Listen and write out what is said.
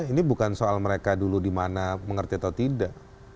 ini bukan soal mereka dulu dimana mengerti atau tidak